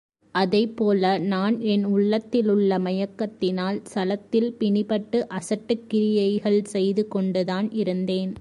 அதைப் போல நான் என் உள்ளத்திலுள்ள மயக்கத்தினால் சளத்தில் பிணிபட்டு அசட்டுக் கிரியைகள் செய்து கொண்டுதான் இருந்தேன்.